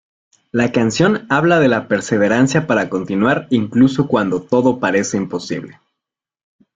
La canción habla de la perseverancia para continuar incluso cuando todo parece imposible.